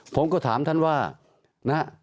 ตอบตอบผมตอบแล้วแหละ